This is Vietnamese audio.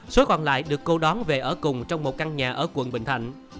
số còn lại được cô đón về ở cùng trong một căn nhà ở quận bình thạnh